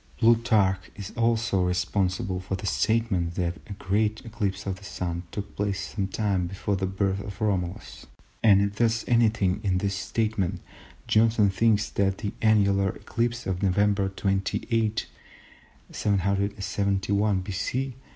Plutarch is also responsible for the statement that a great eclipse of the Sun took place sometime before the birth of Romulus; and if there is anything in this statement Johnson thinks that the annular eclipse of November 28, 771 B.